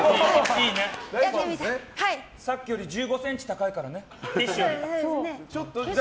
さっきより１５ｃｍ高いからね。